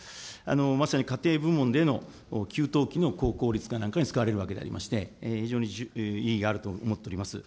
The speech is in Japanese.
まさに家庭部門での給湯器の高効率化なんかに使われるわけでありまして、非常に意義があると思っております。